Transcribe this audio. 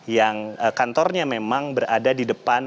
yang kantornya memang berada di depan